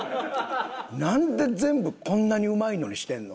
なんで全部こんなにうまいのにしてんの？